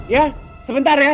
ya sebentar ya